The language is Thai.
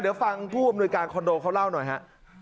เดี๋ยวฟังผู้อำนวยการคอนโดเขาเล่าหน่อยฮะ